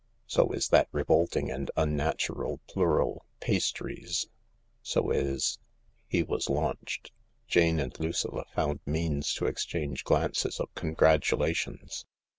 So is that revolting and unnatural plural ' pastries' ; so is .. He was launched. Jane and Lucilla found means to exchange glances of congratulations.